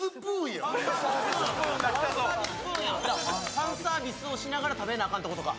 ファンサービスをしながら食べなあかんということか。